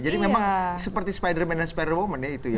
jadi memang seperti spider man dan spider woman nya itu ya